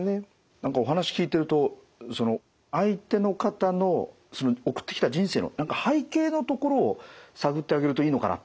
何かお話聞いてると相手の方の送ってきた人生の何か背景のところを探ってあげるといいのかなという。